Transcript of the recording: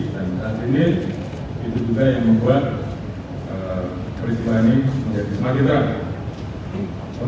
dan saat ini itu juga yang membuat peristiwa ini menjadi semakin terang